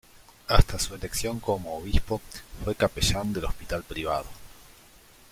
Hasta su elección como obispo fue capellán del Hospital Privado.